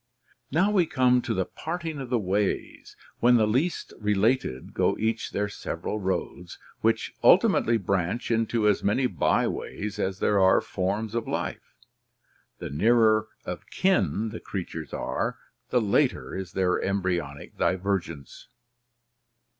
Now we come to the parting of the ways, when the least related go each their several roads, which ultimately branch into as many byways as there are forms of life. The nearer of kin the creatures are, the later is their embryonic divergence.